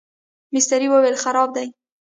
مستري وویل خراب دی.